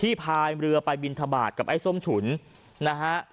ที่พาเรือไปบิณฑบาตกับไอ้ส้มฉุนนะฮะ